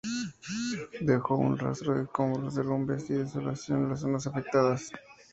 Dejó un rastro de escombros, derrumbes y desolación en las zonas afectadas.